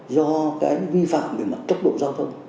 do cái vi phạm về mặt tốc độ giao thông